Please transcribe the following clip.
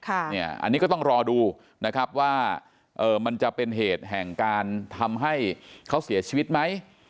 อันนี้ก็ต้องรอดูนะครับว่ามันจะเป็นเหตุแห่งการทำให้เขาเสียชีวิตไหม